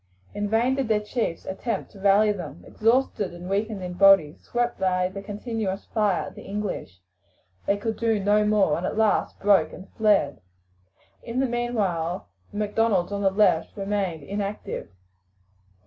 In vain did their chiefs attempt to rally them. Exhausted and weakened in body, swept by the continuous fire of the English, they could do no more, and at last broke and fled. In the meantime the Macdonalds on the left remained inactive.